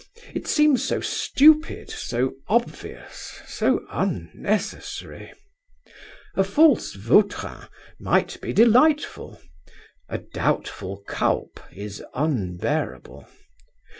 It seems so stupid, so obvious, so unnecessary. A false Vautrin might be delightful. A doubtful Cuyp is unbearable.